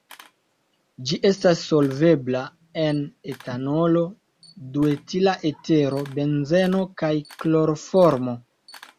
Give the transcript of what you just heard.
Ĝi estas solvebla en etanolo, duetila etero, benzeno kaj kloroformo.